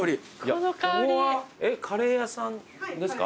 ここはカレー屋さんですか？